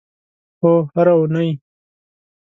هو، هره اونۍ